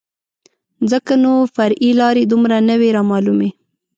ځکه نو فرعي لارې دومره نه وې رامعلومې.